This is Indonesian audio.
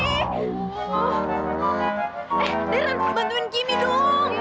eh dara bantuin kimi dong